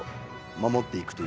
守っていく！